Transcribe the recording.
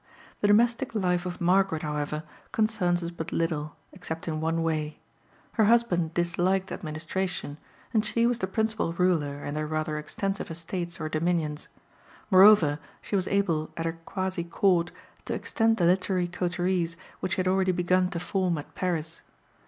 The domestic life of Margaret, however, concerns us but little, except in one way. Her husband disliked administration, and she was the principal ruler in their rather extensive estates or dominions. Moreover, she was able at her quasi Court to extend the literary coteries which she had already begun to form at Paris.